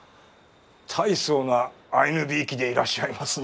大層なアイヌびいきでいらっしゃいますな。